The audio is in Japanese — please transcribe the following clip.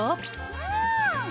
うん！